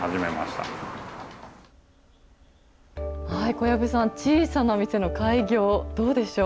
小籔さん、小さなお店の開業、どうでしょう？